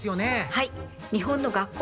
はい日本の学校